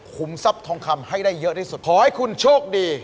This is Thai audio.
ทรัพย์ทองคำให้ได้เยอะที่สุดขอให้คุณโชคดี